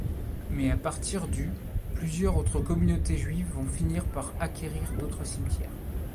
Mais à partir du plusieurs autres communautés juives font finir par acquérir d'autres cimetières.